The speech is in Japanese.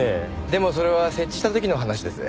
でもそれは設置した時の話です。